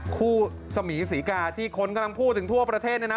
คู่สมีศรีกาที่คนกำลังพูดถึงทั่วประเทศเนี่ยนะ